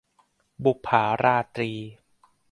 บุปผาราตรี